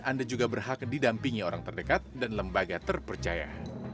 anda juga berhak didampingi orang terdekat dan lembaga terpercaya